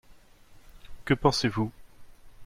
Que pensez-vous ?